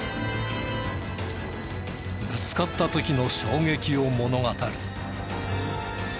ぶつかった時の衝撃を物語る。